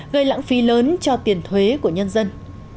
gây lãng phí lớn cho tiền thuế của nhân dân